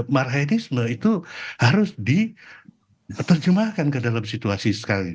marhenisme itu harus diterjemahkan ke dalam situasi sekarang ini